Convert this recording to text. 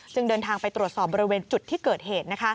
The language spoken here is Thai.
เดินทางไปตรวจสอบบริเวณจุดที่เกิดเหตุ